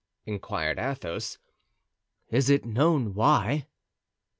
inquired Athos; "is it known why?"